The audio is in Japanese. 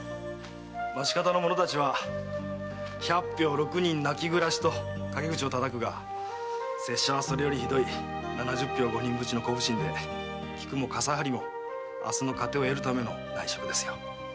町方の者たちは「百俵六人泣き暮らし」と陰口を叩くが拙者はそれより酷い七十俵五人扶持の小普請で菊も傘張りも明日の糧を得るための内職ですよ。